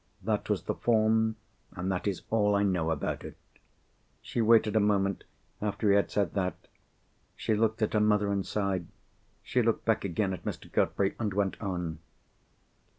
That was the form, and that is all I know about it." She waited a moment, after he had said that. She looked at her mother, and sighed. She looked back again at Mr. Godfrey, and went on.